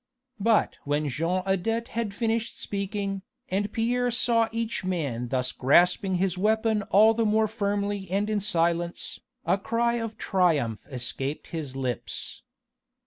But when Jean Adet had finished speaking, and Pierre saw each man thus grasping his weapon all the more firmly and in silence, a cry of triumph escaped his lips.